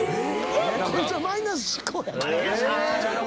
こいつはマイナス思考やからな。